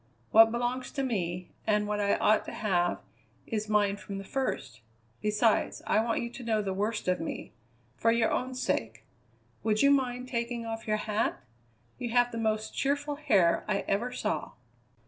What belongs to me, and what I ought to have, is mine from the first. Besides, I want you to know the worst of me for your own sake. Would you mind taking off your hat? You have the most cheerful hair I ever saw."